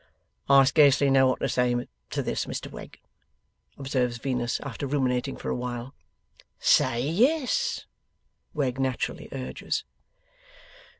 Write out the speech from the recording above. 'I scarcely know what to say to this, Mr Wegg,' observes Venus, after ruminating for a while. 'Say yes,' Wegg naturally urges.